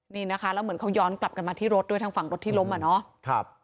เป็นอย่างเหมือนเขาย้อนกลับกลับมาทางฝั่งที่ล้มอ่ะเนอะ